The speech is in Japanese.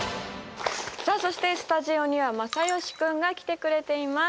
さあそしてスタジオにはまさよしくんが来てくれています。